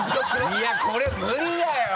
いやこれ無理だよ！